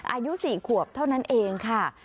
อายุ๔ขวบเท่านั้นเองค่ะ